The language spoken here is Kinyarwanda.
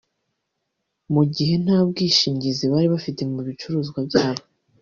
Mu gihe nta bwishingizi bari bafite ku bicuruzwa byabo